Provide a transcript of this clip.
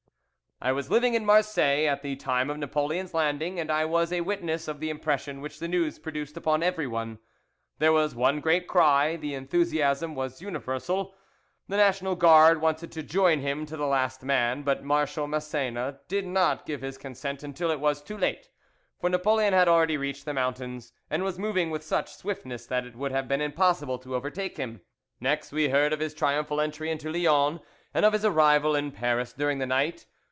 "I was living in Marseilles at the time of Napoleon's landing, and I was a witness of the impression which the news produced upon everyone. There was one great cry; the enthusiasm was universal; the National Guard wanted to join him to the last man, but Marshal Massena did not give his consent until it was too late, for Napoleon had already reached the mountains, and was moving with such swiftness that it would have been impossible to overtake him. Next we heard of his triumphal entry into Lyons, and of his arrival in Paris during the night.